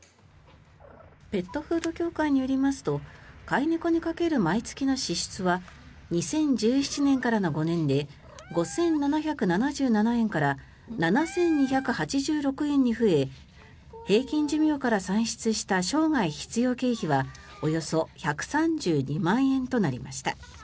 ペットフード協会によりますと飼い猫にかける毎月の支出は２０１７年からの５年で５７７７円から７２８６円に増え平均寿命から算出した生涯必要経費はおよそ１３２万円となりました。